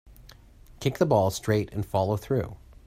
Kick the ball straight and follow through.